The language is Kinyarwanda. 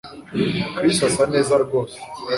Chris asa neza rwose